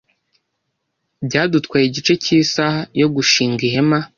Byadutwaye igice cy'isaha yo gushinga ihema.